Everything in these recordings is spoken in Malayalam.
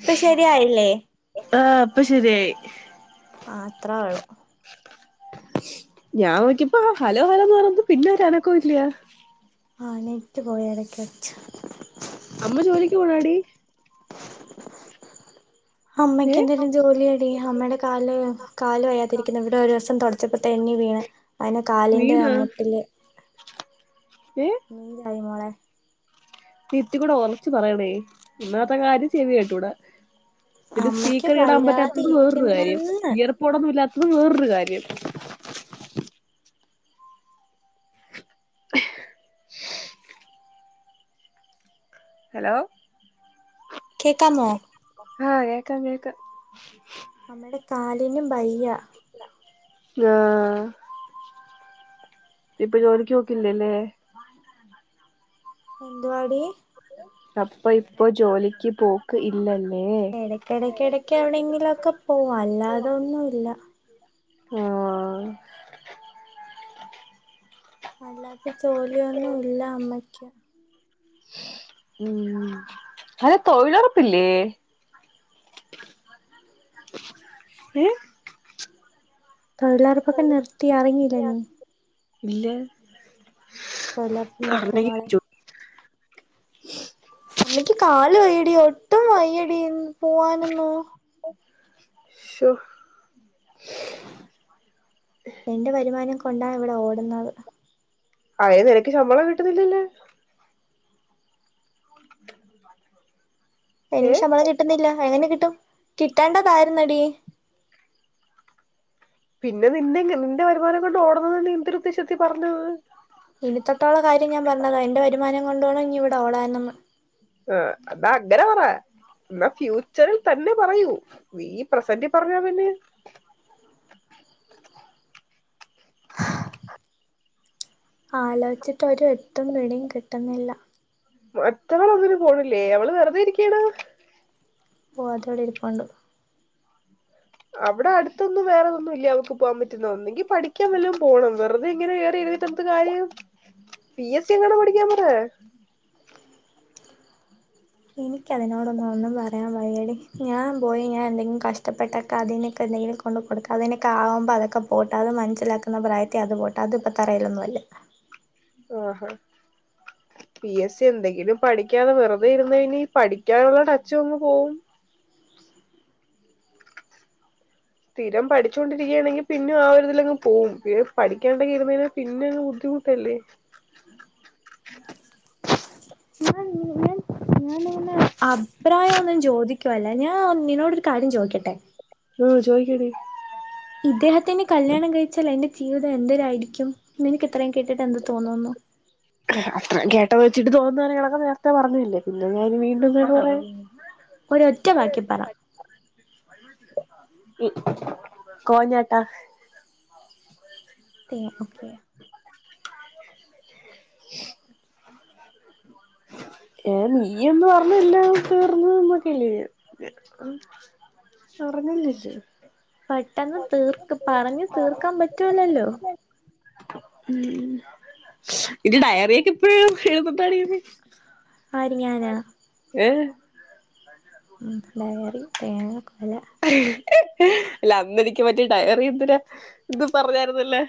ഇപ്പൊ ശരിയായില്ലേ ആ ഇപ്പൊ ശരിയായി ആ അത്ര വേള്ളു ഞാൻ നോക്കിപ്പോ ആ ഹലോ ഹലോന്ന് പറഞ്ഞ പിന്നെ ഒരാ അനക്ക ഇല്ല ആ നെറ്റ് പോയി ഇടക്ക വച്ച അമ്മ ജോലിക്ക് പോണാടി ഏ അമ്മയ്ക്ക്െന്തായാലും ജോലിയടി അമ്മയുടെ കാല് കാല് വയ്യതിരിക്കുന്ന ഇവിടെ ഒരു ദിവസം തുടച്ചപ്പോ തെന്നി വീണ് അതിനെ കാലിന്റെ വീണാ മുട്ടില് ഏ നീര് ആായി മോള നീ ഇതികൂടെ ഉറച്ച്ു പറയണേ ഓന്നാത്തെ കാര്യം ചെവി കേട്ടൂടാ ഇത് അമ്മയ്ക്ക് സ്പീക്കർ ഇടാൻ വയ്യാതെ പറ്റാത്തത് വേറൊരു കാര്യം ഇരിക്കുന്നെന്ന് ഇയർഫോൺ ഇല്ലാത്ത വേറൊരു കാര്യം [inaudible] ഹലോ കേക്കാമോ ആ കേക്ക കേക്ക അമ്മേടെ കാലിനും വയ്യ ആഹ ഇപ്പൊ ജോലിക്ക് നോക്കില്ലല്ലേ എന്ത്‌വാടി അപ്പൊ ഇപ്പൊ ജോലിക്ക് പോക്ക് ഇല്ലല്ലോ ഇടക്ക ഇടക്ക ഇടക്ക് എവിടെയെങ്കിലും ഒക്കെ പോവാ അല്ലാതൊന്നുമല്ല ആ അല്ലാ ജോലിയൊന്നും ഇല്ല അമ്മയ്ക്ക് ഉം അ തൊഴിലുറപ്പില്ലേ ഉം തൊഴിലാറപ്പൊക്കെ നിർത്തി അറിഞ്ഞില്ല നീ ഇല്ല തൊഴിലൊർപ്പ് നിർത്തി മോളെ അറിഞ്ഞെങ്കി അമ്മിക്ക് കാല് വെയ്യടി ഒട്ടും വയ്യടി പോവാനന്നൂ ശൊ എന്റെ വരുമാനം കൊണ്ടാണ് ഇവിടെ ഓടുന്നത് അയേ നിനക്ക് ശമ്പളം കിട്ടുന്നില്ലല്ല് [unintelligible] ഏ എനിക്ക് ശമ്പളം കിട്ടുന്നില്ല എങ്ങനെ കിട്ടും കിട്ടണ്ടതായിരുന്നെടീ പിന്നെ നിന്റെ നിന്റെ വരുമാനം കൊണ്ട് ഓടണത് നീ എന്തൊരുദ്ദേശത്തി പറഞ്ഞ് ഇനിത്തൊട്ടുള്ള കാര്യം ഞാൻ പറഞ്ഞതാ എന്റെ വരുമാനം കൊണ്ടോണോ ഇനി ഇവിടെ ഓടാൻന്ന് ആ എന്നാ അങ്ങനെ പറ എന്നാ ഫ്യൂച്ചറിൽ തന്നെ പറയൂ നീ പ്രസന്റ് പറഞ്ഞാ പിന്നെ ആലോചിച്ചിട്ടൊരു എത്തും പിടിയും കിട്ടുന്നില്ല മറ്റവൾ ഒന്നിനും പോണില്ലേ അവള് വെറുതെ ഇരിക്കയാണ് പോവാതോടെ ഇരിപ്പണ്ട് അവിടെ അടുത്തൊന്നും വേറെതൊന്നും ഇല്ല അവക്ക് പോവാൻ പറ്റുന്ന ഒന്നെങ്കി പഠിക്കാൻ വല്ലോ പോണം വെറുതെ എങ്ങനെ കേറി ഇരുന്നിട്ടെന്തു കാര്യം പി എസ് സി എങ്ങാനും പഠിക്കാൻ പറ എനിക്കതിനോടൊന്നും ഒന്നും പറയാൻ വഴിയടി ഞാൻ പോയി ഞാൻ എന്തെങ്കിലും കഷ്ടപ്പെട്ടൊക്കെ അതിനൊക്കെ എന്തെങ്കിലും കൊണ്ട് കൊടുക്കാം അതിനൊക്കെ ആകുമ്പോ അതൊക്കെ പോട്ട് അത് മനസ്സിലാക്കുന്ന പ്രായത്തെഅത് പോട്ട അത്പ്പോ തറയിലൊന്നുമല്ല ആഹാ പി എസ് സി എന്തെങ്കിലും പഠിക്കാതെ വെറുതെ ഇരുന്ന ഇനി പഠിക്കാനുള്ള ടച്ച് അങ്ങു പോകും സ്ഥിരം പഠിച്ചൊണ്ടിരിക്കയാണെങ്കിൽ പിന്നെ ആ ഒരുരിതില അങ് പോവും പി പഠിക്കാണ്ടെങ്കി ഇരുന്നതിനൽ പിന്നെ അങ്ങ് ബുദ്ധിമുട്ടല്ലേ അഭിപ്രായം ഒന്നും ചോദിക്കുവല്ല ഞാൻ നിന്നോടരു കാര്യം ചോദിക്കട്ടെ ഉം ചോയ്ക്കിടീ ഇദ്ദേഹത്തിന് കല്യാണം കഴിച്ചാല എ ജീവിതം എന്തൊരായിരിക്കും നിനക്ക് ഇത്രയും കേട്ടിട്ട് എന്ത് തോന്നുന്നു അത്ര കേട്ട വെച്ചിട്ട് തോന്നുന്ന കാര്യങ്ങളൊക്കെ നേരത്തെ പറഞ്ഞില്ലേ പിന്നെ ഞൻ വീണ്ടും പറയാം ഒരൊറ്റ വാക്കി പറ കോഞ്ഞാട്ടാ [unintelligible] ഓക്കെ ഏ നീ അന്ന് പറഞ്ഞില്ല തീർന്ന് ന്നൊക്കല്ല [unintelligible] പെട്ടെന്ന് തീർക്ക പറഞ് തീർക്കാൻ പറ്റുല്ലല്ലോ ഉം ഇന്റെ ഡയറി ഒക്കെ ഇപ്പോഴ എഴുന്നഡീ നി ആര് ഞാനോ ഏ [unintelligible] [inaudible] അല്ലാ അന്നെനിക്ക് പറ്റിയ ഡയറി എന്തിരാ ഇത് പറഞ്ഞായിരുന്നല്ലേ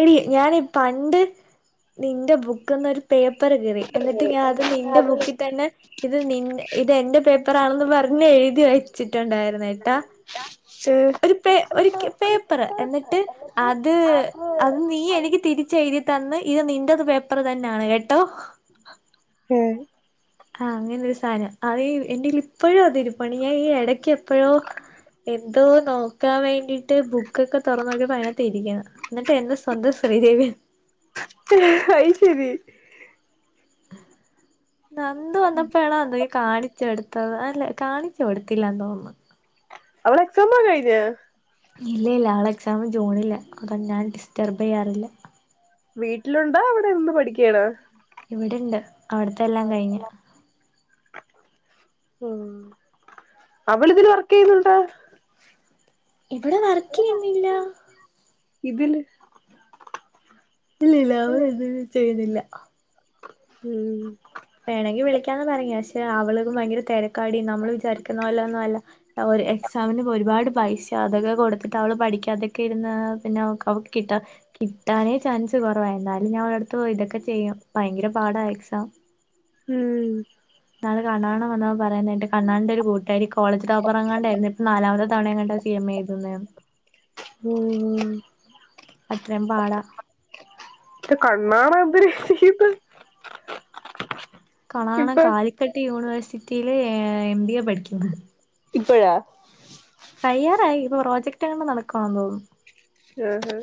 എടീ ഞാന് പണ്ട് നിന്റെ ബുക്കന്നൊരു പേപ്പറ് കീറി എന്നിട്ട് ഞാൻ അത് നിന്റെ ബുക്കിൽ തന്നെ ഇത് നിന്റെ ഇത് എന്റെ പേപ് [unintelligible] ആണെന്ന് പറഞ്ഞ് എഴുതി [inaudible] ച്ചിട്ടുണ്ടായിരുന്നട്ടാ ഒരു പേ ഒരിക്ക പേപ്പറ് എന്നിട്ട് അത് നീ എനിക്ക് തിരിച്ചയി ഇതി തന്ന് ഇത് നിന്റെത് പേപ്പറ് തന്നാണ് കേ [unintelligible] ആഹ അങ്ങനൊരു സാനം അത് എന്റേല് ഇപ്പഴും അതിരിപ്പാണ് ഞാൻ ഈ ഇടക്ക് എപ്പോഴോ എന്തോ നോക്കാൻ വേണ്ടീട്ട് ബുക്കൊക്കെ തുറന്ന് നോക്കിയപ്പം അതിനാത്തിരിക്കുന്നു എന്നിട്ട് എന്താ സ്വന്തം ശ്രീദേവിയ അയ്ശരി നന്ദു വന്നപ്പോഴാണോ എന്തൊ [unintelligible] കാണിച്ചു എടുത്തത് അല്ലെ കാണിച്ചു കൊടുത്തില്ലാന്ന് തോന്നുന്നു അവളെ എക്സാമ് കഴിഞ്ഞ ഇല്ല ഇല്ല അളെ [unintelligible] ക്സാമ് ജൂണിലാ അതാ ഞാൻ ഡിസ്റ്റർബ് ചെയ്യാറില്ല വീട്ടിലുണ്ടോ അവിടെ നിന്ന് പഠിക്കയാണോ ഇവിടെണ്ട് അവിടത്തെ എല്ലാം കഴിഞ്ഞ ഉം അവളിതില് വർക്ക് ചെയ്യുന്നുണ്ട? ഇവിടെ വർക്ക് ചെയ്യുന്നില്ലാ ഇതില് ഇല്ലില്ലാ അവർ ഇത് ചെന്നിയ്യുന്നില്ല ഉം വേണമെങ്കി വിളിക്കാന്ന് പറഞ്ഞ് പക്ഷെ അവള് ഭയങ്കര തിരക്കാടി നമ്മള് വിചാരിക്കുന്ന പോലെ ഒന്നും അല്ല ഒരു എക്സാമിന് ഒരുപാട് പൈസ അതൊക്കെ കൊടുത്തിട്ട് അവള് പഠിക്കാ അതൊക്കെ ഇരുന്ന് പിന്നെ അവക്ക് കിട്ടാ കിട്ടാനേ ചാൻസ് കുറവാ എന്നാലും ഞാനവടടുത്ത് അടുത്ത് ഇതൊക്കെ ചെയ്യും ഭയങ്കര പാടാ എക്സാം ഉം [unintelligible] കോളേജ് ടോപ്പറങ്ങാണ്ടായിരുന്ന് ഇപ്പ നാലാമത് തവണയങ്ങാണ്ടാ സി എം ഏ എഴുതുന്നേ ഉം ഉ അത്രയും പാടാ [unintelligible] [unintelligible] ഇപ്പൊ കാലിക്കട്ട് യൂണിവേഴ്സ് സിറ്റിയില് എം ബി എ പഠിക്കുന്നു ഇപ്പോഴ തയ്യാറായി ഇപ്പൊ പ്രോജക്ട് എങ്ങാണ്ട് നടക്കവാന്ന് തോന്നുന്നു ആ ആ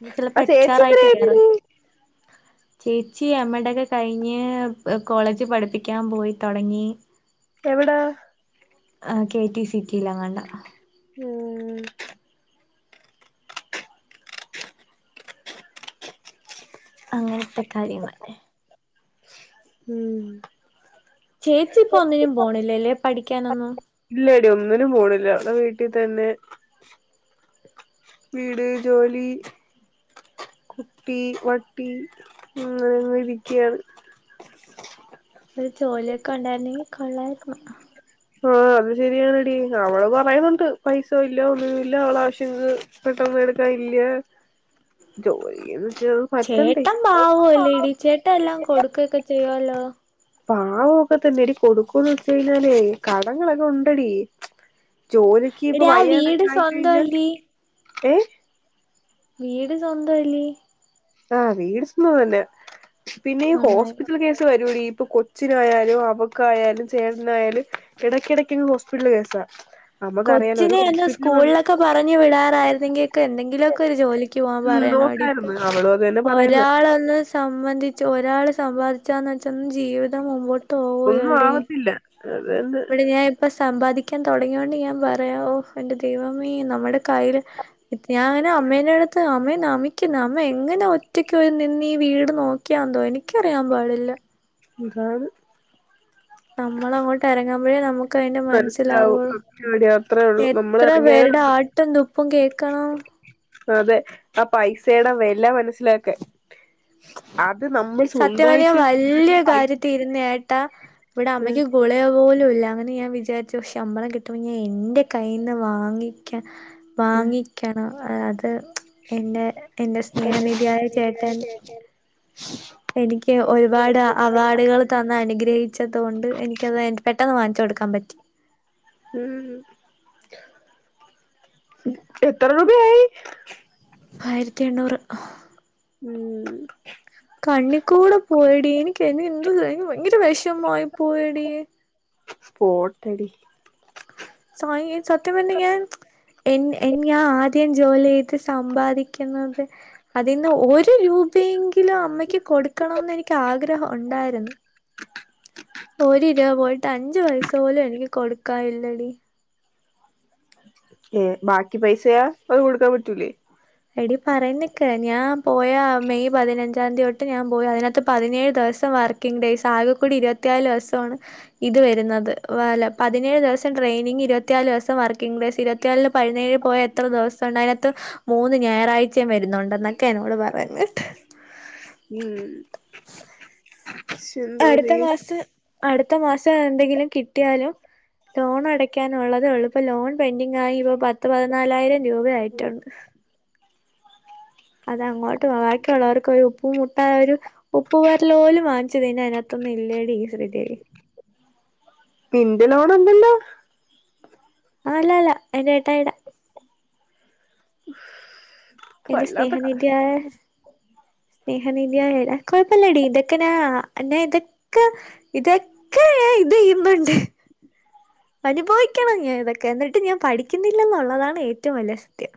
ഇനി ചിലപ്പോ അത് എച്ച് ചേച്ചി ആർ എന്തിനാ ആയിട്ട് കേറ എഴ്ത്‌ന്നേ? ചേച്ചി അമ്മടൊക്കെ കഴിഞ്ഞ്, കോളേജ് പഠിപ്പിക്കാൻ പോയി തുടങ്ങി. എവിടാ? ങ കെടിസിറ്റിയിലങ്ങാണ്ട. മ്ഉം അങ്ങനത്തെ കാര്യങ്ങള്. ഉം ചേച്ചി ഇപ്പോ ഒന്നിനും പോണില്ലേല്ലേ? പഠിക്കാനൊന്നും. ഇല്ല എടി ഒന്നിനും പോണില്ല, വടെ വീട്ടിൽ തന്നെ. വീട്, ജോലി, കുട്ടി, വട്ടി അങ്ങനെ ഇരിക്കുവാണ്. ഒരു ജോലിയൊക്കെ ഉണ്ടായിരുന്നെങ്കിൽ കൊള്ളായിരുന്ന്. ആഹ അത് ശരിയാണ് ടി അവള് പറയുന്നുണ്ട് പൈസ ഇല്ല ഒന്നുമില്ല അവള ആവശ്യങ്ങൾക്ക് ക്കെ ഒന്നു എടുക്കാൻ ഇല്ല ജോലിയ ചേട്ടൻ പാവൊല്ലേടി ചേട്ട എല്ലാം കൊടുക്കയൊക്കെ ചെയ്യുവല്ലോ? പാവൊക്കെ തന്നേടി കൊടുക്കൂന്ന് വെച്ച് കയ്ഞ്ഞാലേ കടങ്ങളൊക്കെ ഉണ്ടെടീ ജോലിക്ക് ഇപ്പൊ എടി ആ വയ്യേടൊക്കെ വീട് ആയി കഴിഞ്ഞാൽ സ്വന്തമല്ലേ ഏഹ്? വീട് സ്വന്തവല്ലീ? ആ വീട് സ്വന്തം തന്നെയാ. പിന്നെ ഈ നന്നായി ഹോസ്പിറ്റൽ കേസ് വരുവെടീ പ്പൊ കൊച്ചിനായാലും അവക്കായാലും ചേട്ടനായാലും ഇടക്കെടക്ക്ങ്ങ് ഹോസ്പിറ്റല് കേസാ നമുക്കറിയാലോ ഒരു കൊച്ചിനെ ഒന്ന് ഹോസ്പിറ്റലിൽ വന്ന് സ്കൂളിലൊക്കെ പറഞ്ഞു വിടാറായിരുന്നെങ്കി ക്കെ എന്തെങ്കിലു ഒക്കെ ഒരു ജോലിക്ക് പോകാൻ ഉം പറയണമെടി ഇപ്പ നോക്കായിരുന്നു അവളും അത് തന്നെ പറയുന്നെ ഒരാളെന്ന് സംബന്ധിച്ച് ഒരാള് സമ്പാദിച്ചാന്ന് വെച്ചാ ജീവിതം മുമ്പോ ഒന്നും ആവത്തില്ല. അതന്നെ ഇവിടെ ഞാൻ ഇപ്പ സമ്പാദിക്കാൻ തുടങ്ങിയോണ്ട് ഞാൻ പറയാ ഓ എന്റെ ദൈവമേ നമ്മടെ കയ്ൽ ഞാൻ അമ്മേന അടുത്ത് അമ്മയ നമിക്കുന്ന്. അമ്മ എങ്ങനെ ഒറ്റക്ക് നിന്നീ വീട് നോക്കിയാന്തോ എനിക്കറിയാൻ പാടില്ല. അതാണ്. നമ്മളങ്ങോട്ട് ഇറങ്ങ്മ്പഴേ നമു ക്കയ്ന്റെ മനസ്സിലാവുള്ളു മനസ്സിലാവും അത്രേ ഉള്ളൂ നമ്മൾ എത്ര ഇറങ്ങിയാലേ പേരുടെ നമ്മക്ക് ആട്ടും തുപ്പും കേക്കണം. അതെ ആ പൈസയുടെ വെല മനസ്സിലാക്കാൻ. ആ സത്യംവഞ്ഞാൽ വല്യ കാര്യത്തി ഇരുന്നേട്ടാ ഇവിടെ ഉം അമ്മയ്ക്ക് ഗുളിക പോലും ഇ ല്ല അങ്ങനെ ഞാൻ വിചാരിച്ചു പക്ഷെ ശമ്പളം കിട്ടുമ്പോ ഞാൻ എന്റെ കയ്യിന്ന് വാങ്ങിക്കാൻ ഉം വാങ്ങിക്കണം അത് എൻറെ എന്റെ സ്നേഹനിധിയായ ചേട്ടൻ എനിക്ക് ഒരുപാട് അവാർഡുകള് തന്നനുഗ്രഹിച്ചതുകൊണ്ട് എനിക്കത് എ പെട്ടെന്ന് വാങ്ങി ച്ചെടുക്കാൻ പറ്റി ഉം എത്ര രൂപയായി? ആയിരത്തി എണ്ണൂറ്. ഉം കണ്ണികൂടെ പോയടി എനിക്ക് എന്നെ എന്ത് എനിക്ക് ഭയങ്കര വിഷമായി പോയടി. പ്പോട്ടെടി. സയൻ സത്യമായിട്ടും ഞാൻ എന്നെ എൻ ഞാൻ ആദ്യം ജോലി ചെയ്ത് സമ്പാദിക്കുന്നത് അതിന്ന് ഒരു രൂപയെങ്കിലും അമ്മക്ക് കൊടുക്കണംന്നെനിക്കാഗ്രഹം ഒണ്ടാരുന്നു. ഒരു രൂപ പോയിട്ട് അഞ്ചു പൈസ പോലും എനിക്ക് കൊടുക്കാനില്ലടി. എ ബാക്കി പൈസയൊ അത് കൊടുക്കാൻ പറ്റൂലേ? എടി പറയ നിക്ക് ഞാൻ പോയ മെയ് പതിനഞ്ചാം തീ തൊട്ട് ഞാൻ പോയി അതിനകത്ത് പതിനേഴ് ദിവസം വർക്കിങ്ങ് ഡേയ്സ് ആകെക്കുടി ഇരുപത്തിനാല് ദിവസമാണ് ഇത് വരുന്നത് വല്ല പതിനേഴ് ദിവസം ട്രെയിനിങ്ങ് ഇരുപത്തിനില്ദിവസം വർക്കിംഗ് ഡേയ്സ് ഇരുപത്തിനാലില് പതിനേഴ് പോയ എത്ര ദിവസമുണ്ട് അതിനകത്ത് മൂന്ന് ഞായറാഴ്ചയും വരുന്നുണ്ടന്നൊക്കെയ എന്നോട് പറയുന്നെ ശൊ എന്തോ അടുത്ത ചെയ്യും മാസം അടുത്ത മാസം എന്തെങ്കിലും കിട്ടിയാലും ലോണടയ്ക്കാനുള്ളതേ ഉള്ളൂ ഇപ്പ ലോൺ പെൻഡിങ്ങായി ഇപ്പോ പത്ത് പതിനാലായിരം രൂപ ആയിട്ടുണ്ട് അത അങ്ങോട്ട് ബാക്കിയുള്ളവർക്ക് ഒരു ഉപ്പും മുട്ട ഒരു ഉപ്പ് പരലുംപോലും വാങ്ങിച്ച് തിന്നാൻ അതിനകത്തൊന്നും ഇല്ലടി ശ്രീദേവി നിന്റെ ലോണുണ്ടല്ലോ? ആ അല്ല അല്ല എന്റെ ഏട്ടായിടെ. എന്റെ വല്ലാത്ത സ്നേഹനിധിയായ സ്നേഹനേഹനിധി യായ കൊഴപ്പില്ലടീ ഇതൊക്കെനാ എന്നന്നാ ഇതൊക്കെ ഇതൊക്കെ ഇത് ചെയ്യുന്നുണ്ട് അനുഭവിക്കണം ഞാൻ ഇതൊക്കെ എന്നിട്ട് ഞാൻ പഠിക്കുന്നില്ല എന്നുള്ളതാണ് ഏറ്റവും വലിയ സത്യം.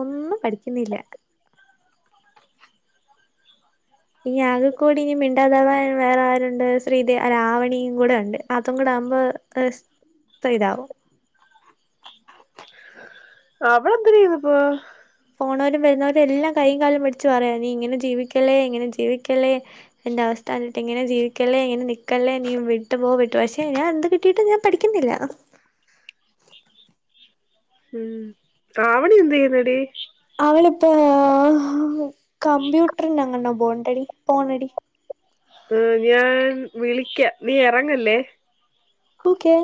ഒന്നും പഠിക്കുന്നില്ല. ഇനി ആകെ കൂടി ഇനി മിണ്ടാതവാ വേറെ ആരുണ്ട് ശ്രീ രാവണിയും കൂടെ ഉണ്ട് അതും കൂടെ ആകുമ്പോ മൊത്തം ഇതാവും അവള് എന്തിര് ചെയ്തപ്പോ? പോണവരും വരുന്നവരും എല്ലാം കയ്യുംകാലം പിടിച്ച് പറയാ നീ ഇങ്ങനെ ജീവിക്കല്ലേ ജീവിക്കല്ലേ എന്റെ അവസ്ഥ കണ്ടിട്ട് ഇങ്ങനെ ജീവിക്കല്ലേ ഇങ്ങനെ ക്കല്ലെ നീ വിട്ടു പോ വിട്ട് പക്ഷെ ഞാൻ എന്ത് കിട്ടിയിട്ടും ഞാൻ പഠിക്കുന്നില്ല. ഉം. ആവണി എന്ത് ചെയ്യുന്നെടി? അവളിപ്പോ കമ്പ്യൂട്ടറിനെങ്ങാണ്ടെ പോണ്ടടി പോണടി. ആ ഞാൻ വിളിക്ക നീ ഇറങ്ങല്ലേ. ഓക്കെ